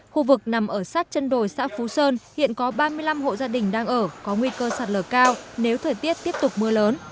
khu vực nằm ở sát chân đồi xã phú sơn hiện có ba mươi năm hộ gia đình đang ở có nguy cơ sạt lở cao nếu thời tiết tiếp tục mưa lớn